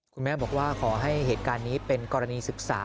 คุณแม่บอกว่าขอให้เหตุการณ์นี้เป็นกรณีศึกษา